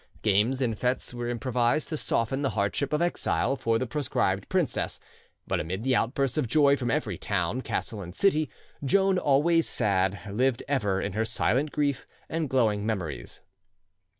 Games and fetes were improvised to soften the hardship of exile for the proscribed princess; but amid the outbursts of joy from every town, castle, and city, Joan, always sad, lived ever in her silent grief and glowing memories.